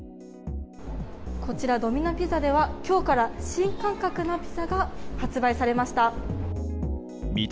ドミノ・ピザでは今日から新感覚のピザが発売されました。